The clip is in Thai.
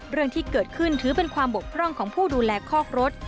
เรื่องที่เกิดขึ้นถือเป็นความบกพร่องของผู้ดูแลคอกรถ